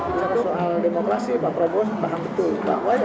misalnya soal demokrasi pak prabowo paham betul